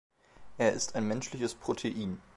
Er ist ein menschliches Protein.